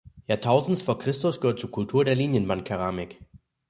Jahrtausends vor Christus gehört zur Kultur der Linienbandkeramik.